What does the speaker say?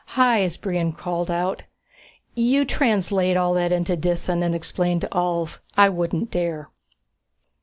"Hys," Brion called out, "you translate all that into Disan and explain to Ulv. I wouldn't dare."